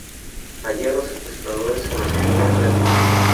Allí a los secuestradores se les unieron tres más.